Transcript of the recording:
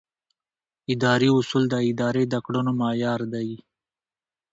اداري اصول د ادارې د کړنو معیار دي.